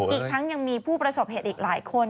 อีกทั้งยังมีผู้ประสบเหตุอีกหลายคน